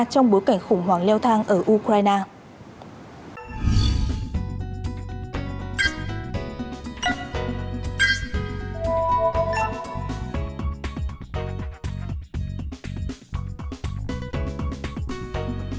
trong bối cảnh khủng hoảng leo thang ở ukraine